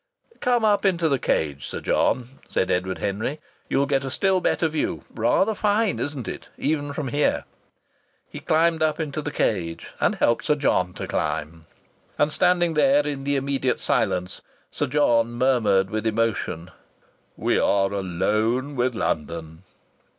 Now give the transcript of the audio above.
"Come up into the cage, Sir John," said Edward Henry. "You'll get a still better view. Rather fine, isn't it, even from here?" He climbed up into the cage, and helped Sir John to climb. And, standing there in the immediate silence, Sir John murmured with emotion: "We are alone with London!"